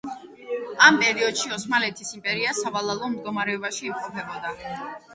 ამ პერიოდში ოსმალეთის იმპერია სავალალო მდგომარეობაში იმყოფებოდა.